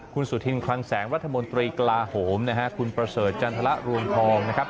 คุณสุธินคลังแสงรัฐมนตรีกลาโหมนะฮะคุณประเสริฐจันทรรวงทองนะครับ